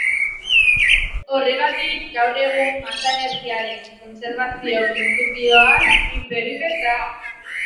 Horregatik, gaur egun masa-energiaren kontserbazio-printzipioaz hitz egiten da.